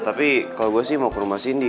tapi kalau gue sih mau ke rumah cindy